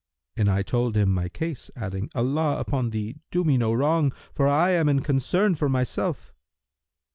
And I told him my case, adding, 'Allah upon thee, do me no wrong, for I am in concern for myself!'